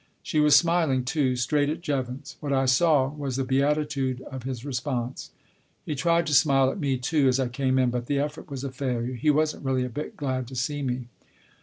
She was smiling too, straight at Jevons. What I saw was the beatitude of his response. He tried to smile at me, too, as I came in, but the effort was a failure. He wasn't really a bit glad to see me.